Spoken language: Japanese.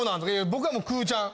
僕はもうくぅちゃん！